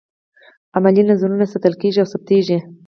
عملي نظرونه ساتل کیږي او ثبتیږي.